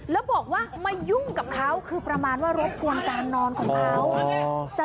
แล้วบอกว่ามายุ่งกับเขาคือประมาณว่ารบกวนการนอนของเขา